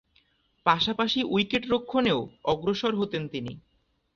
পাশাপাশি উইকেট-রক্ষণেও অগ্রসর হতেন তিনি।